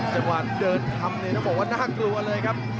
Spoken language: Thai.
จังหวาเดินทำหมายถึงว่าน่ากูลก่อนเลยครับ